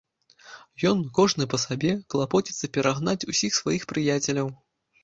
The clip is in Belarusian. Ён, кожны па сабе, клапоціцца перагнаць усіх сваіх прыяцеляў.